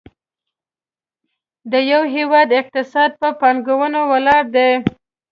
د یو هېواد اقتصاد په پانګونې ولاړ دی.